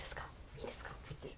いいですか？